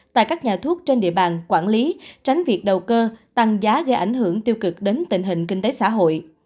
tại các nhà thuốc trên địa bàn quản lý tránh việc đầu cơ tăng giá gây ảnh hưởng tiêu cực đến tình hình kinh tế xã hội